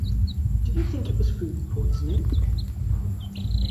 Do you think it was food poisoning?